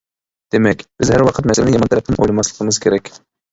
دېمەك، بىز ھەر ۋاقىت مەسىلىنى يامان تەرەپتىن ئويلىماسلىقىمىز كېرەك.